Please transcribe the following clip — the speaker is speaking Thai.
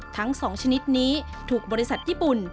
ทั้ง๒ชนิดนี้ถูกบริษัทญี่ปุ่น